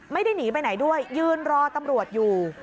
ไม่ได้หนีไปไหนด้วยยืนรอตำรวจอยู่